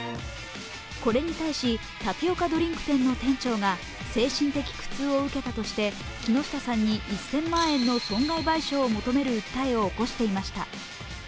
これに対し、タピオカドリンク店の店長が精神的苦痛を受けたとして木下さんに１０００万円の損害賠償を求める訴えを起こしていました。